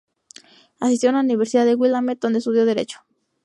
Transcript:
Asistió a Universidad de Willamette, donde estudió Derecho.